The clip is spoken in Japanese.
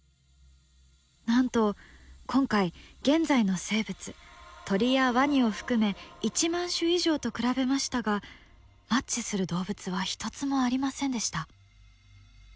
なんと今回現在の生物鳥やワニを含め１万種以上と比べましたがマッチする動物は一つもありませんでした。